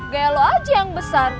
gaya lo aja yang besar